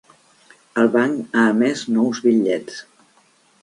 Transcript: El banc ha emès nous bitllets.